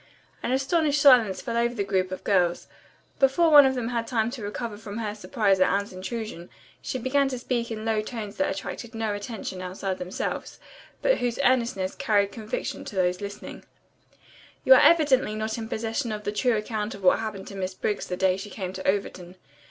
An astonished silence fell over the group of girls. Before one of them had time to recover from her surprise at Anne's intrusion, she began to speak in low tones that attracted no attention outside themselves, but whose earnestness carried conviction to those listening: "You are evidently not in possession of the true account of what happened to Miss Briggs the day she came to Overton.